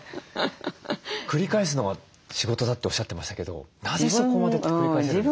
繰り返すのが仕事だっておっしゃってましたけどなぜそこまで繰り返せるんですか？